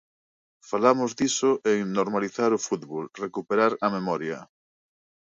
Falamos diso en 'Normalizar o fútbol, recuperar a memoria'.